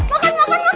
makan makan makan